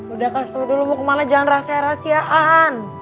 udah kasih tahu dulu mau kemana jangan rahasia rahasiaan